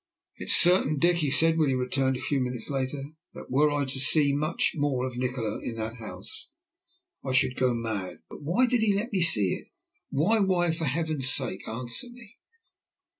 "It's certain, Dick," he said, when he returned a few moments later, "that, were I to see much more of Nikola in that house, I should go mad. But why did he let me see it? Why? Why? For Heaven's sake answer me."